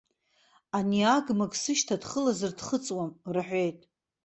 Ани агмыг сышьҭа дхылазар дхыҵуам, рҳәеит.